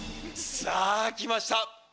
さぁ来ました。